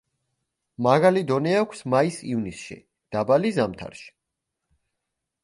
მაღალი დონე აქვს მაის-ივნისში, დაბალი ზამთარში.